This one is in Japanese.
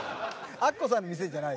アッコさんの店じゃない。